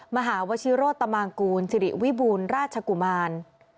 มหาวชิโรตมางกูลสิริวิบูรณ์ราชกุมาร